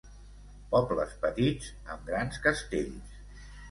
Pobles petits amb grans castells